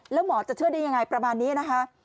แล้วหมอจะเชื่อได้ยังไงประมาณนี้นะคะ